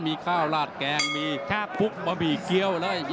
มีข้าวราดแกงมีฟุกบะบี่เกี๊ยว